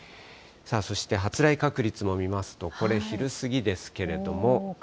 そして発雷確率も見ますと、これ、昼過ぎですけれども。